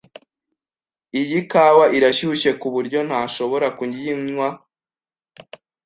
Iyi kawa irashyushye kuburyo ntashobora kuyinywa.